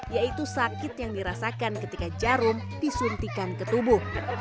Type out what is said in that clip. yaitu sakit yang dirasakan ketika jarum disuntikan ke tubuh